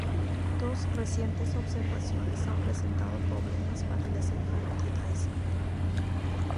Dos recientes observaciones han presentado problemas para el escenario de Dyson.